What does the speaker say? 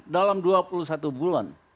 dalam dua puluh satu bulan